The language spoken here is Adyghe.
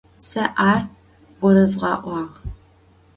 Сэ ар гурызгъэӏуагъ.